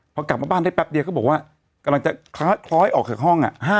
พอกลับมาบ้านได้แป๊บเดียวเขาบอกว่า